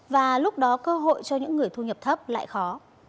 và lúc đó cơ hội cho những người thu nhập thấp lại khó